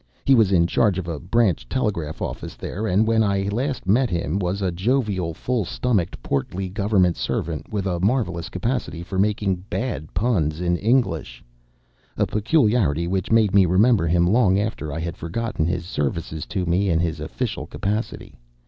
He was in charge of a branch telegraph office there, and when I had last met him was a jovial, full stomached, portly Government servant with a marvelous capacity for making bad puns in English a peculiarity which made me remember him long after I had forgotten his services to me in his official capacity.